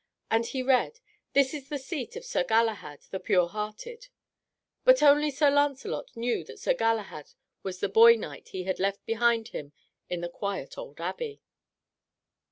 And he read, "This is the seat of Sir Galahad, the Pure hearted." But only Sir Lancelot knew that Sir Galahad was the boy knight he had left behind him in the quiet old abbey.